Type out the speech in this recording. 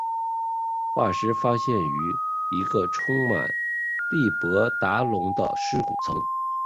化石发现于一个充满亚伯达龙的尸骨层。